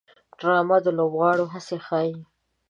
ډرامه د لوبغاړو هڅې ښيي